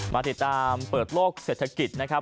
มาติดตามเปิดโลกเศรษฐกิจนะครับ